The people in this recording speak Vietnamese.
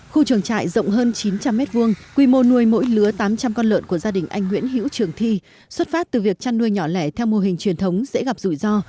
khu trường trại rộng hơn chín trăm linh m hai quy mô nuôi mỗi lứa tám trăm linh con lợn của gia đình anh nguyễn hữu trường thi xuất phát từ việc chăn nuôi nhỏ lẻ theo mô hình truyền thống dễ gặp rủi ro